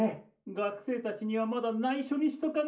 ・学生たちにはまだないしょにしとかないしょね。